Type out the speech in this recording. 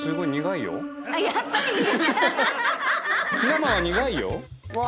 生は苦いよ。